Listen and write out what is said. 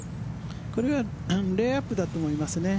これはレイアップだと思いますね。